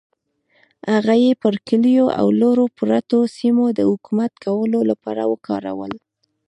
هغه یې پر کلیو او لرو پرتو سیمو د حکومت کولو لپاره وکارول.